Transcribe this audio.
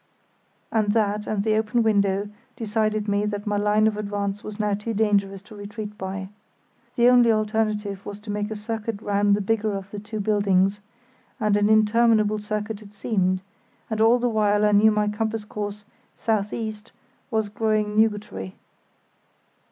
and that, and the open window, decided me that my line of advance was now too dangerous to retreat by. The only alternative was to make a circuit round the bigger of the two buildings—and an interminable circuit it seemed—and all the while I knew my compass course "south east" was growing nugatory.